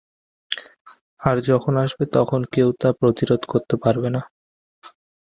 আর যখন আসবে তখন কেউ তা প্রতিরোধ করতে পারবে না।